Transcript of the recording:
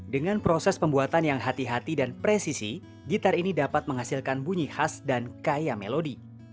dengan proses pembuatan yang hati hati dan presisi gitar ini dapat menghasilkan bunyi khas dan kaya melodi